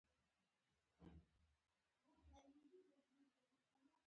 په دې توګه د پیوند عملیه په ښه شان سر ته ورسېږي.